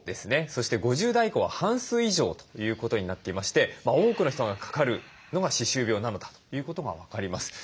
そして５０代以降は半数以上ということになっていまして多くの人がかかるのが歯周病なのだということが分かります。